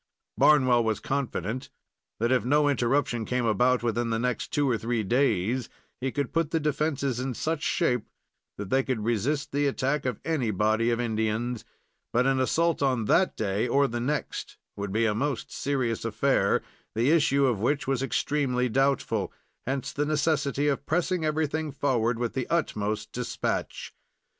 Barnwell was confident that if no interruption came about within the next two or three days, he could put the defenses in such shape that they could resist the attack of any body of Indians; but an assault on that day or the next would be a most serious affair, the issue of which was extremely doubtful; hence the necessity of pressing everything forward with the utmost dispatch.